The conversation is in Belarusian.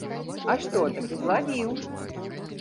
А што, такі злавіў!